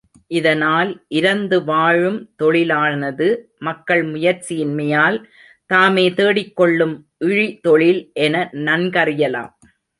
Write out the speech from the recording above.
இதனால் இரந்துவாழும் தொழிலானது மக்கள் முயற்சியின்மையால் தாமே தேடிக்கொள்ளும் இழி தொழில் என நன்கறியலாம்.